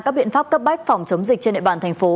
các biện pháp cấp bách phòng chống dịch trên địa bàn thành phố